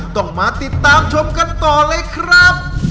ต้องมาติดตามชมกันต่อเลยครับ